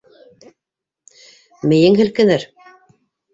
Мейең һелкенер!...